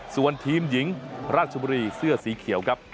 ส่วนทีมหญิงราชบุรีเสื้อสีเขียวครับ